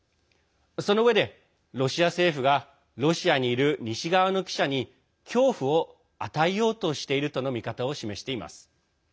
そのうえで、ロシア政府がロシアにいる西側の記者に恐怖を与えようとしているとの見方を示しています。